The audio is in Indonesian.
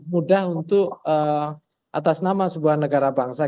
mudah untuk atas nama sebuah negara bangsa